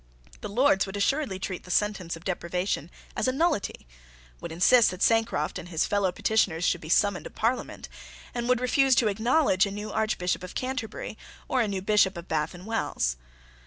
The Lords would assuredly treat the sentence of deprivation as a nullity, would insist that Sancroft and his fellow petitioners should be summoned to Parliament, and would refuse to acknowledge a new Archbishop of Canterbury or a new Bishop of Bath and Wells.